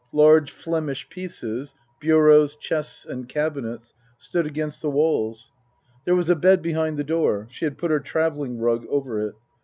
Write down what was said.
Large Flemish pieces, bureaus, chests and cabinets stood against the walls. There was a bed behind the door ; she had put her travelling rug over it.